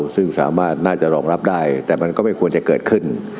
ซึ่งสามารถน่าจะรองรับได้แต่มันก็ไม่ควรจะเกิดขึ้น